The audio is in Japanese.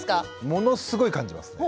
ものすごい感じますね。